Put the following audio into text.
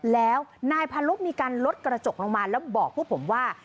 แล้วนายพาลุกมีการลดกระจกลงมาแล้วบอกพวกผมว่า